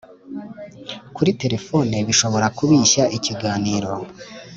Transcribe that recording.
kuri telefone bishobora kubishya ikiganiro